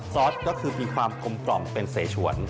ซอสก็คือมีความกลมกล่อมเป็นเสชวน